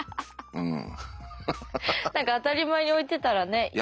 うん。